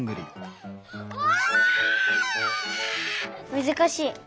むずかしい。